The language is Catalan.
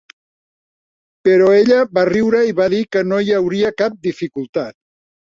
Però ella va riure i va dir que no hi hauria cap dificultat.